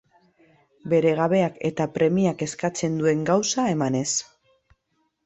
Bere gabeak eta premiak eskatzen duen gauza emanez.